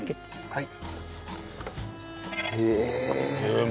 はい。